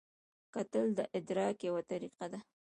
کتل د ادراک یوه طریقه ده